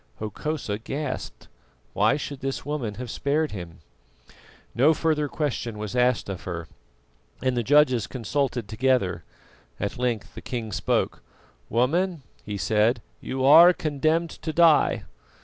Hokosa gasped. Why should this woman have spared him? No further question was asked of her, and the judges consulted together. At length the king spoke. "Woman," he said, "you are condemned to die.